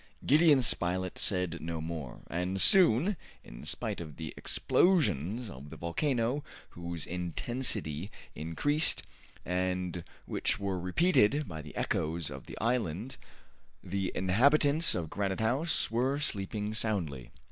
Gideon Spilett said no more, and soon, in spite of the explosions of the volcano, whose intensity increased, and which were repeated by the echoes of the island, the inhabitants of Granite House were sleeping soundly.